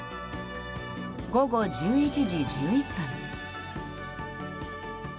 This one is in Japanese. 午後１１時１１分。